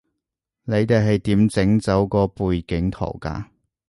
你哋係點整走個背景圖㗎